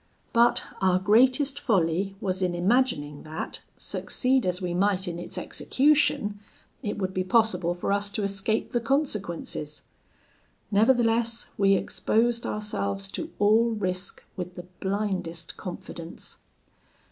But our greatest folly was in imagining that, succeed as we might in its execution, it would be possible for us to escape the consequences. Nevertheless, we exposed ourselves to all risk with the blindest confidence.